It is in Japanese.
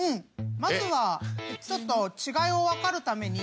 まずはちょっと違いを分かるために。